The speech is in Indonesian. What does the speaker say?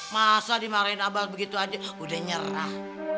masa dimarahin abal begitu aja udah nyerah